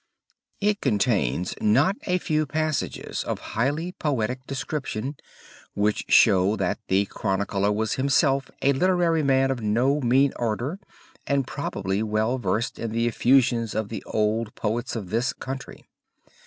It contains not a few passages of highly poetic description which show that the chronicler was himself a literary man of no mean order and probably well versed in the effusions of the old poets of this country.